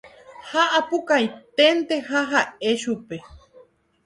ha apukaiténte ha ha'e chupe